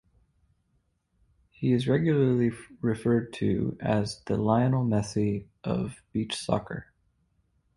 He is regularly referred to as the "Lionel Messi of beach soccer".